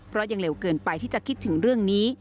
เพราะยังเร็วเกินไปที่จะคิดถึงเรื่องนี้